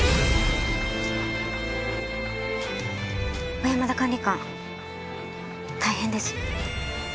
小山田管理官大変です。